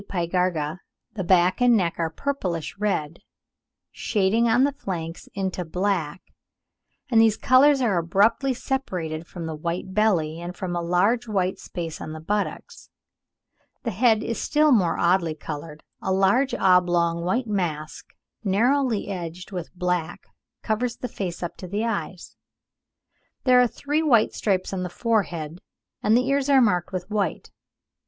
pygarga the back and neck are purplish red, shading on the flanks into black; and these colours are abruptly separated from the white belly and from a large white space on the buttocks; the head is still more oddly coloured, a large oblong white mask, narrowly edged with black, covers the face up to the eyes (Fig. 71); there are three white stripes on the forehead, and the ears are marked with white.